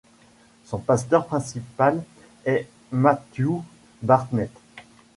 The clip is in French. Son pasteur principal est Matthew Barnett.